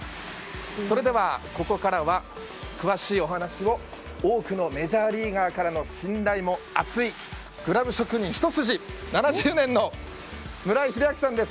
それではここからは詳しいお話を多くのメジャーリーガーからの信頼も厚いグラブ職人ひと筋７０年の代表の村井英明さんです。